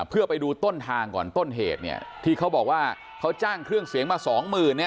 เพื่อไปดูต้นทางก่อนต้นเหตุเนี่ยที่เขาบอกว่าเขาจ้างเครื่องเสียงมาสองหมื่นเนี่ย